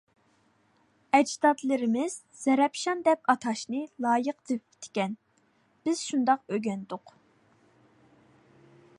ئەجدادلىرىمىز زەرەپشان دەپ ئاتاشنى لايىق تېپىپتىكەن بىز شۇنداق ئۆگەندۇق.